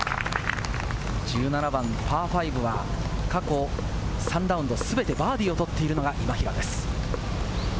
１７番パー５は過去３ラウンド全てバーディーを取っているのが今平です。